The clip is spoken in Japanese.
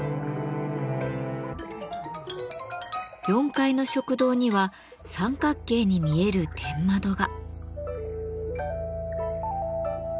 ４階の食堂には三角形に見える天窓が。